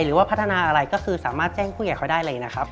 หรือว่าพัฒนาอะไรก็คือสามารถแจ้งผู้ใหญ่เขาได้เลยนะครับ